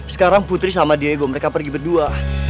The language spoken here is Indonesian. sekarang putri sama diego mereka pergi berdua